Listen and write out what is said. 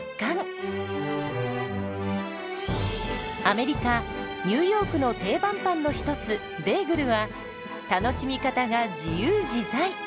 アメリカ・ニューヨークの定番パンの一つベーグルは楽しみ方が自由自在！